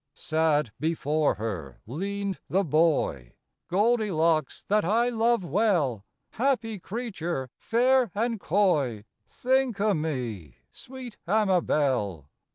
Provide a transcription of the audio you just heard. Sad before her leaned the boy, " Goldilocks that I love well, Happy creature fair and coy, Think o' me, sweet Amabel."